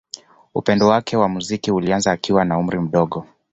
Upendo wake wa muziki ulianza akiwa na umri mdogo.